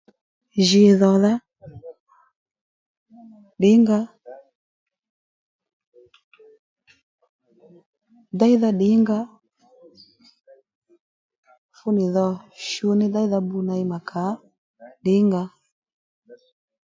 Jǐ dhò dha ddǐ nga ó déydha ddǐnga ó fú nì dho shú ní déy dha bbu ney mà kà ó ddìngà ó